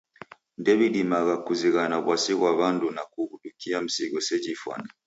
Ndewidimagha kuzighana w'asi ghwa w'andu na kughudukia msigo seji ifwane.